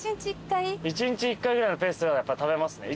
１日１回ぐらいのペースではやっぱ食べますね。